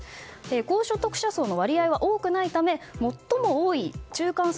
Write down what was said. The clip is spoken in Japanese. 高所得者層の割合は多くないため最も多い中間層